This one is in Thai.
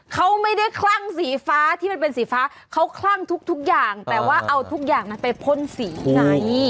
เขาไม่ได้คลั่งสีฟ้าที่มันเป็นสีฟ้าเขาคลั่งทุกอย่างแต่ว่าเอาทุกอย่างมันไปพ่นสีไง